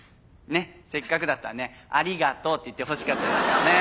ねっせっかくだったらね「アリがとう」って言ってほしかったですけどね。